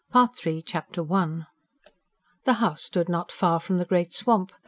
Part III Chapter I The house stood not far from the Great Swamp.